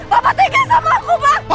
papa tega sama aku papa